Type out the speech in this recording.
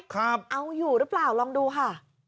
ครับเอาอยู่หรือเปล่าลองดูค่ะ